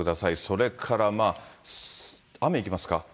それからまあ、雨いきますか。